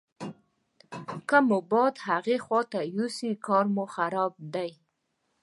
که مو باد هغې خواته یوسي کار مو خراب دی.